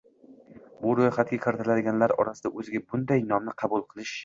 bu ro‘yxatga kiritiladiganlar orasida o‘ziga bunday nomni qabul qilish